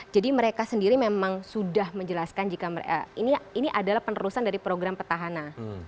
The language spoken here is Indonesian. jadi mereka sendiri memang sudah menjelaskan jika ini adalah penerusan dari program petahana